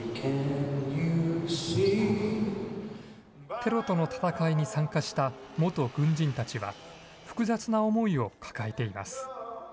テロとの戦いに参加した元軍人たちは、複雑な思いを抱えています。